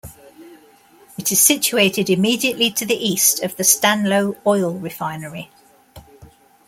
It is situated immediately to the east of the Stanlow Oil Refinery.